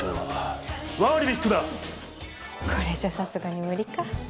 これじゃさすがに無理か。